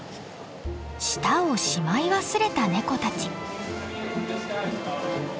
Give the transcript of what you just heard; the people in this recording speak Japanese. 舌をしまい忘れたネコたち。